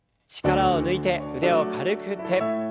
力を抜いて腕を軽く振って。